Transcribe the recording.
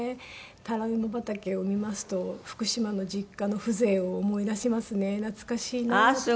タロイモ畑を見ますと福島の実家の風情を思い出しますね懐かしいなって。